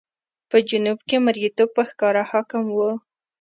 په جنوب کې مریتوب په ښکاره حاکم و.